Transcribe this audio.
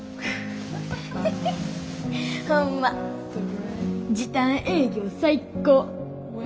ほんま時短営業最高。